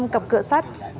năm cặp cửa sắt